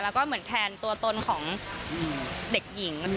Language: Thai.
แล้วก็เหมือนแทนตัวตนของเด็กหญิง